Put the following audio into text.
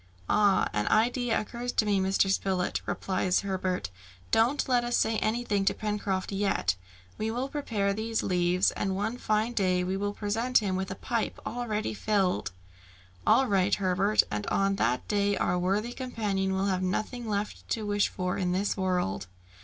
"Ah! an idea occurs to me, Mr. Spilett," replied Herbert. "Don't let us say anything to Pencroft yet; we will prepare these leaves, and one fine day we will present him with a pipe already filled!" "All right, Herbert, and on that day our worthy companion will have nothing left to wish for in this world."